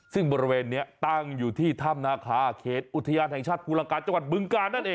ซึ่งบริเวณนี้ตั้งอยู่ที่ถ้ำนาคาเขตอุทยานแห่งชาติภูลังกาจังหวัดบึงกาลนั่นเอง